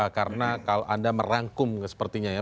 karena kalau anda merangkum sepertinya ya